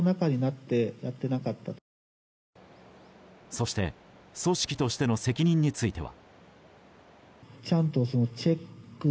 そして組織としての責任については。